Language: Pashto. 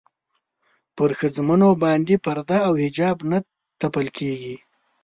پر ښځمنو باندې پرده او حجاب نه تپل کېږي.